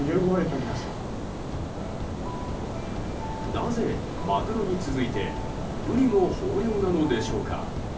なぜ、マグロに続いてブリも豊漁なのでしょうか。